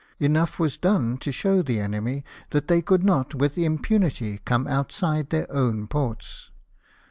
Enough was done to show the enemy that they could not, with im punity, come outside their own ports.